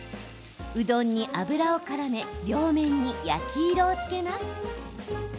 うどんに油をからめ両面に焼き色をつけます。